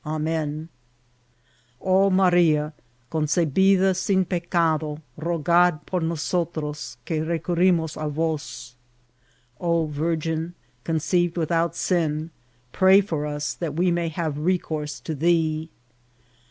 Amen.'' ^^ O Maria, concebida sin peoado, rogad por noso tros, que recurrimos a vos." " O Virgin, conceived without sin, pray for us, that we may have recourse to thee."